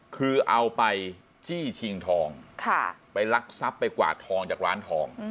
คือเอาไปจี้ชิงทองไปลักทรัพย์ไปกวาดทองจากร้านทอง